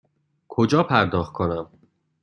کجا پرداخت کنم؟